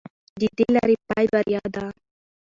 د دې لارې پای بریا ده.